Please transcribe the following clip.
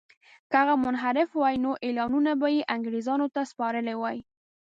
که هغه منحرف وای نو اعلانونه به یې انګرېزانو ته سپارلي وای.